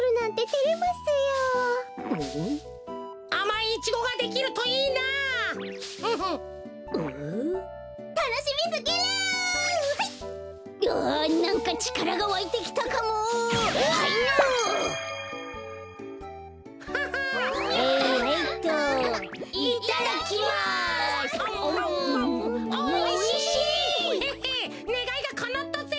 ヘッヘねがいがかなったぜ。